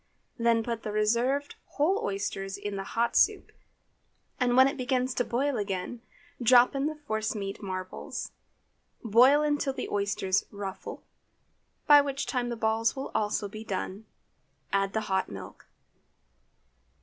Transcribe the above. Then put the reserved whole oysters into the hot soup, and when it begins to boil again, drop in the force meat marbles. Boil until the oysters "ruffle," by which time the balls will also be done. Add the hot milk.